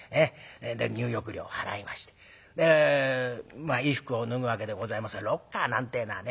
で入浴料払いまして衣服を脱ぐわけでございますがロッカーなんてえのはね